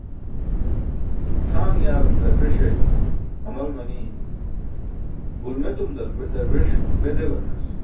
Tʰaaṅ yaarum darbeṣe hamal manii, ġulmetum darbeṣ be dewaranas.